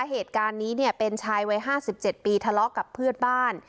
เหตุการณ์นี้เป็นชายวัย๕๗ปีทะเลาะกับเพื่อนบ้าน